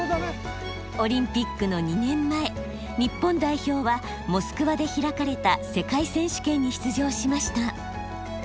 オリンピックの２年前日本代表はモスクワで開かれた世界選手権に出場しました。